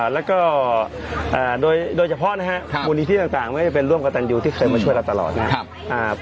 แล้วก็โดยเฉพาะนะครับมูลนิธิต่างไม่ว่าจะเป็นร่วมกับตันยูที่เคยมาช่วยเราตลอดนะครับ